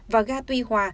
và ga tuy hòa